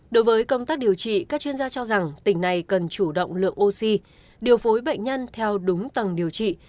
đối với công tác điều trị các chuyên gia cho rằng tỉnh này cần chủ động lượng oxy điều phối bệnh nhân theo đúng tầng điều trị